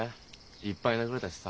いっぱい殴られたしさ。